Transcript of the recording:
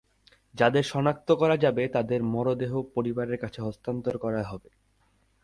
যাঁদের শনাক্ত করা যাবে, তাঁদের মরদেহ পরিবারের কাছে হস্তান্তর করা হবে।